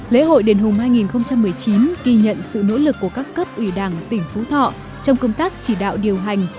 lễ hội đền hùng hai nghìn một mươi chín ghi nhận sự nỗ lực của các cấp ủy đảng tỉnh phú thọ trong công tác chỉ đạo điều hành